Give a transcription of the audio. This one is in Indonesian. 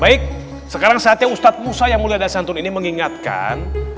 baik sekarang saatnya ustadz musa yang mulia dari santun ini mengingatkan